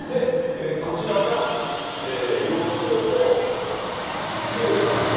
こちらが浴槽とトイレなんですが。